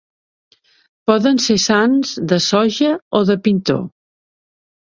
Poden ser sants, de soja o de pintor.